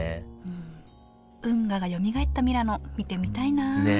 運河がよみがえったミラノ見てみたいなあね